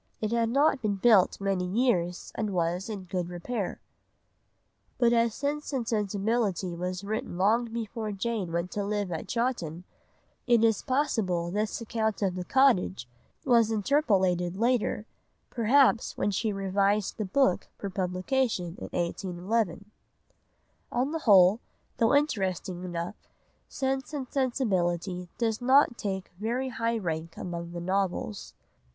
It had not been built many years and was in good repair." But as Sense and Sensibility was written long before Jane went to live at Chawton, it is possible this account of the cottage was interpolated later, perhaps when she revised the book for publication in 1811. On the whole, though interesting enough, Sense and Sensibility does not take very high rank among the novels.